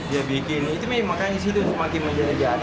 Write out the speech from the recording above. dia bikin itu memang kan isi itu semakin menjadi jadi